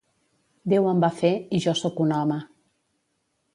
Déu em va fer, i jo sóc un home.